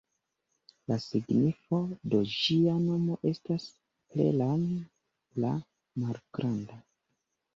La signifo de ĝia nomo estas "Plelan"-la-malgranda.